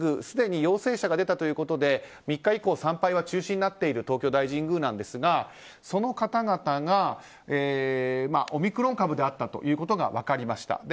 すでに陽性者が出たということで３日以降参拝は中止になっている東京大神宮なんですがその方々がオミクロン株であったということが分かりました。